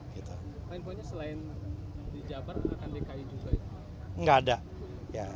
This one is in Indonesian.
paling palingnya selain di jawa barat akan di kin